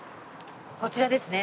こちらですね。